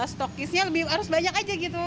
stokisnya lebih harus banyak aja gitu